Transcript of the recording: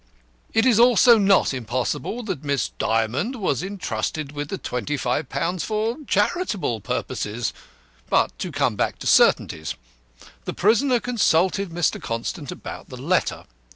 It is also not impossible that Miss Dymond was entrusted with the £25 for charitable purposes. But to come back to certainties. The prisoner consulted Mr. Constant about the letter.